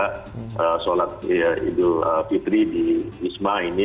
kita sholat idul fitri di wisma ini